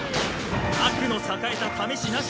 悪の栄えた試しなし。